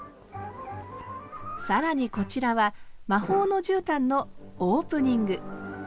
更にこちらは「魔法のじゅうたん」のオープニング。